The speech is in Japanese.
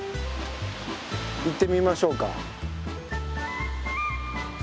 行ってみましょうか。